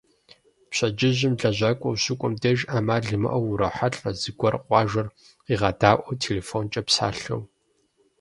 Пщэдджыжьым лэжьакӏуэ ущыкӏуэм деж, ӏэмал имыӏэу урохьэлӏэ зыгуэр къуажэр къигъэдаӏуэу телефонкӏэ псалъэу.